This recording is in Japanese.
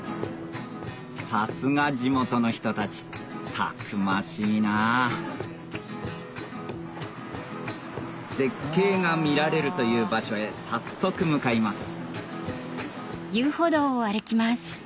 さすが地元の人たちたくましいなぁ絶景が見られるという場所へ早速向かいます